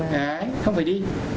đấy không phải đi